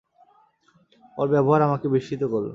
ওর ব্যবহার আমাকে বিস্মিত করল।